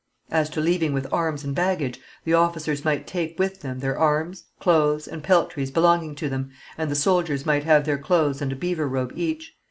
As to leaving with arms and baggage, the officers might take with them their arms, clothes, and peltries belonging to them, and the soldiers might have their clothes and a beaver robe each.